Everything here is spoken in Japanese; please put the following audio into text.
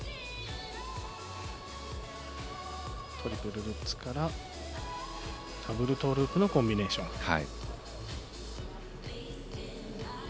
トリプルルッツからダブルトーループのコンビネーション。